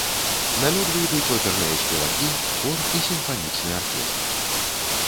На лёд выйдуць оперныя спевакі, хор і сімфанічны аркестр.